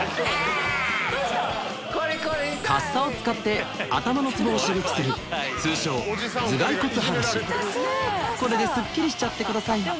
カッサを使って頭のツボを刺激するこれでスッキリしちゃってください